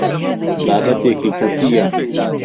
بابەتێکی کەسییە.